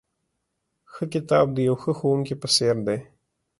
ښه کتاب د یوه ښه ښوونکي په څېر دی.